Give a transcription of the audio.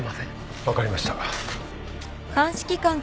分かりました。